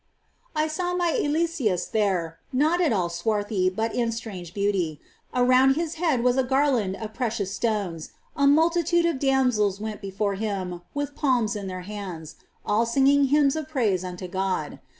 I saw my Eliseus^ there, not at all swarthy, but in strange beauty: around his head was a garland of precious stones ; a multitude of damsels went before him with palms in their hands, all singing hymns of praise unto God.